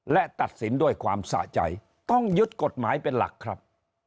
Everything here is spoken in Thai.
และตัดสินด้วยความสะใจต้องยึดกฎหมายเป็นหลักครับ